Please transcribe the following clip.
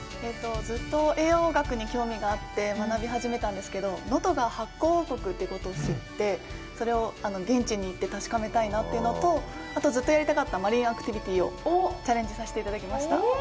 ずっと栄養学に興味があって学び始めたんですけど、能登が発酵王国ということを知って、それを現地に行って確かめたいなというのと、あと、ずっとやりたかったマリン・アクティビティをチャレンジさせていただきました。